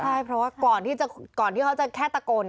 ใช่เพราะว่าก่อนที่เขาจะแค่ตะโกน